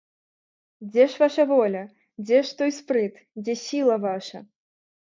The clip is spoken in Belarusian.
Дзе ж ваша воля, дзе ж той спрыт, дзе сіла ваша?